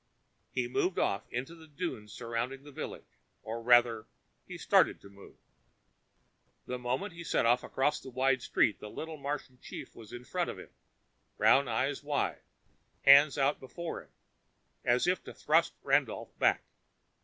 He moved off into the dunes surrounding the village. Or rather, he started to move. The moment he set off across the wide street, the little Martian chief was in front of him, brown eyes wide, hands out before him as if to thrust Randolph back.